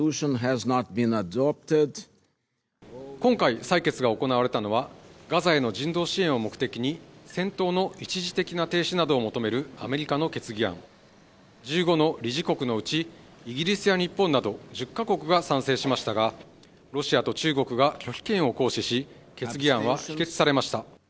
今回採決が行われたのはガザへの人道支援を目的に戦闘の一時的な停止などを求めるアメリカの決議案１５の理事国のうちイギリスや日本など１０か国が賛成しましたがロシアと中国が拒否権を行使し決議案は否決されました